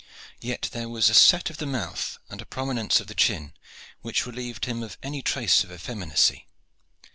Yet there was a set of the mouth and a prominence of the chin which relieved him of any trace of effeminacy.